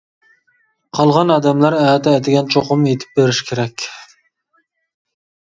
قالغان ئادەملەر ئەتە ئەتىگەن چوقۇم يېتىپ بېرىشى كېرەك.